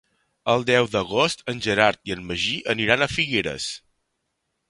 El deu d'agost en Gerard i en Magí aniran a Figueres.